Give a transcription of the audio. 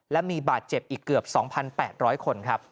และมีบาดเจ็บอีกเกือบ๒๘๐๐คนครับ